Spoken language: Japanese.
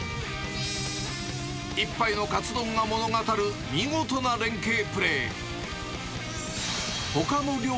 １杯のかつ丼が物語る見事な連携プレー。